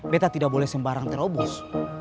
beta tidak boleh sembarang terobos